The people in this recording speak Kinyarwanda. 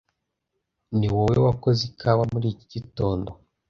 Niwowe wakoze ikawa muri iki gitondo?